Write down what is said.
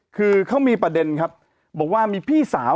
คือเขามีประเด็นครับบอกว่ามีพี่สาว